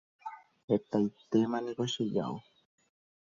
Hetaitémaniko cheja'o.